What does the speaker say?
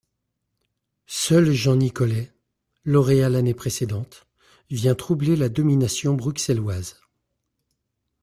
Seul Jean Nicolay, lauréat l'année précédente, vient troubler la domination bruxelloise.